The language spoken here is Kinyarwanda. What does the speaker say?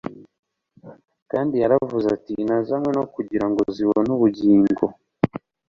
Kandi yaravuze ati : "Nazanywe no kugira ngo zibone ubugingo